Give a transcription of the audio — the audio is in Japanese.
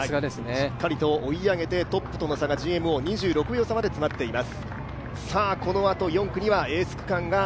しっかりと追い上げてトップとの差がＧＭＯ、２６秒差まで迫っています。